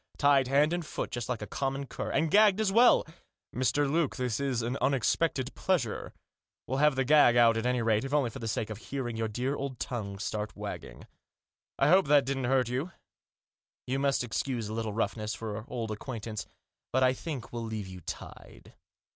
Tied hand and foot, just like a common cur — and gagged as well ! Mr. Luke, this is an unexpected pleasure ! We'll have the gag out at any rate, if only for the sake of hearing your dear old tongue start wagging. I hope that didn't hurt you ; you must excuse a little roughness, for old acquaintance, but I think we'll leave you tied."